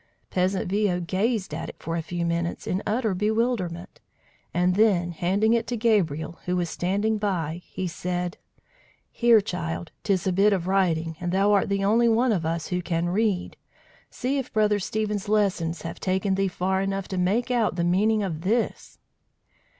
Peasant Viaud gazed at it for a few minutes, in utter bewilderment, and then handing it to Gabriel, who was standing by, he said: "Here, child, 'tis a bit of writing, and thou art the only one of us who can read. See if Brother Stephen's lessons have taken thee far enough to make out the meaning of this!"